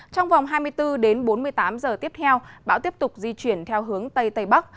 trong vòng hai mươi bốn đến bốn mươi tám giờ tiếp theo bão tiếp tục di chuyển theo hướng tây tây bắc